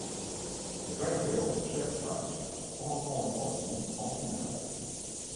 Les vainqueurs de chaque match se rencontrent ensuite en finale.